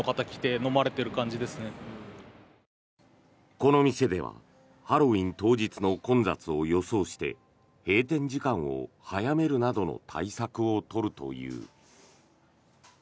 この店ではハロウィーン当日の混雑を予想して閉店時間を早めるなどの対策を取るという。